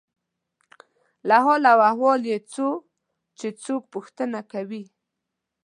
له حال او احوال یې څو چې څوک پوښتنه کوي.